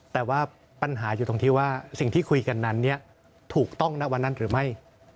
แต่ว่าปัญหาอยู่ตรงที่ว่าสิ่งที่คุยกันนั้นถูกต้องณวันนั้นหรือไม่